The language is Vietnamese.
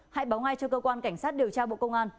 hãy báo ngay cho cơ quan cảnh sát điều tra bộ công an